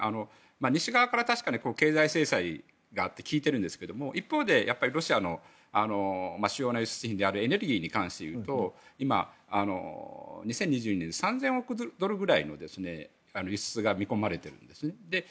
西側から確かに経済制裁があって効いているんですけど一方でロシアの主要な輸出製品であるエネルギーでいうと今、２０２２年に３０００億ドルくらいの輸出が見込まれているんですね。